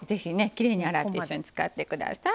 きれいに洗って一緒に使ってください。